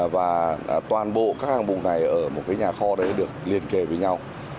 và toàn bộ các hạng mục này ở một nhà kho được liên kề với nhau